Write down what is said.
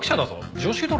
常識だろ。